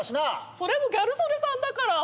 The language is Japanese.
それもギャル曽根さんだから。